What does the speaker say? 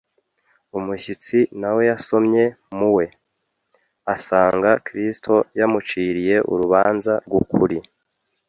umushyitsi na we yasomye mu we. Asanga Kristo yamuciriye urubanza rw'ukuri.